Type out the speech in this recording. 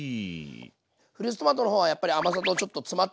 フルーツトマトの方はやっぱり甘さとちょっと詰まったコクがあるんで。